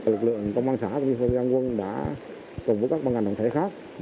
lực lượng công an xã dân quân đã cùng với các băng hành động thể khác